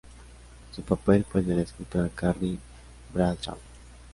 Su papel fue el de la escritora Carrie Bradshaw.